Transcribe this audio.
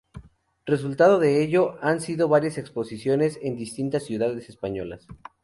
Resultado de ello han sido varias exposiciones en distintas ciudades españolas.